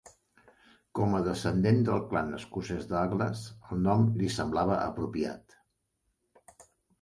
Com a descendent del clan escocès Douglas, el nom li semblava apropiat.